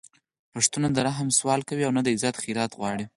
پښتون نه د رحم سوال کوي او نه د عزت خیرات غواړي